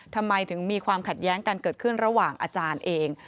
ทำไมถึงมีความขัดแย้งกันเกิดขึ้นระหว่างอาจารย์เอง